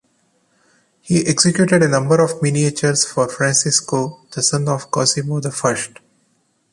He executed a number of miniatures for Francesco, the son of Cosimo the First.